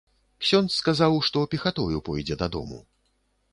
Ксёндз сказаў, што пехатою пойдзе дадому.